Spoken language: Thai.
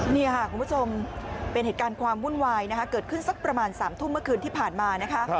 นี่ค่ะคุณผู้ชมเป็นเหตุการณ์ความวุ่นวายนะคะเกิดขึ้นสักประมาณ๓ทุ่มเมื่อคืนที่ผ่านมานะคะ